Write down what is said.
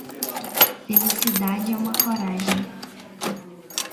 Felicidade é uma coragem.